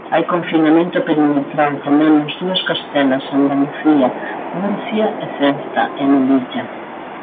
Hai confinamento perimetral tamén nas dúas Castelas, Andalucía, Murcia e Ceuta e Melilla.